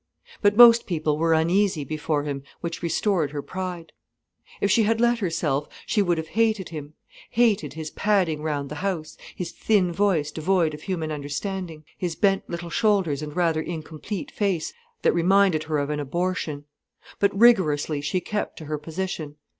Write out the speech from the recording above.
But most people were uneasy before him, which restored her pride. If she had let herself, she would have hated him, hated his padding round the house, his thin voice devoid of human understanding, his bent little shoulders and rather incomplete face that reminded her of an abortion. But rigorously she kept to her position.